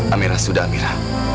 amira sudah amira